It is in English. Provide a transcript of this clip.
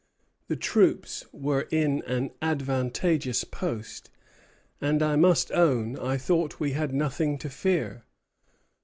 The troops were in an advantageous post, and I must own I thought we had nothing to fear."